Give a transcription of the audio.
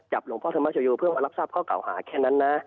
จับหลงพ่อธรรมจอยโยเพื่อมารับทราบข้าวก่าวหาแค่นั้น